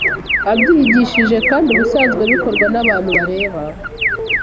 abyiyigishije kandi ubusanzwe bikorwa n’abantu bareba